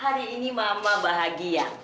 hari ini mama bahagia